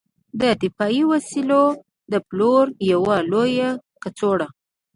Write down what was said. د دفاعي وسایلو د پلور یوه لویه کڅوړه